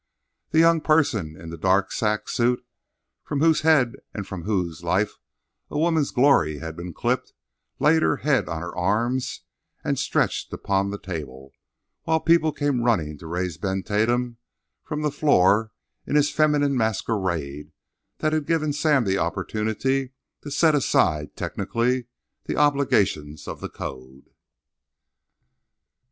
The young person in the dark sack suit, from whose head and from whose life a woman's glory had been clipped, laid her head on her arms stretched upon the table; while people came running to raise Ben Tatum from the floor in his feminine masquerade that had given Sam the opportunity to set aside, technically, the obligations of the code.